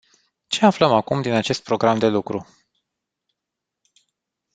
Ce aflăm acum din acest program de lucru?